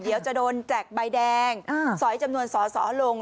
เดี๋ยวจะโดนแจกใบแดงสอยจำนวนสอสอลง